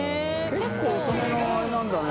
結構遅めのあれなんだね。